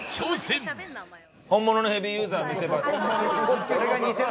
本物のヘビーユーザーの見せ場。